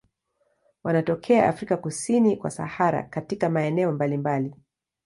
Wanatokea Afrika kusini kwa Sahara katika maeneo mbalimbali.